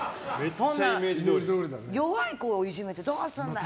そんな、弱い子をいじめてどうするんだよ！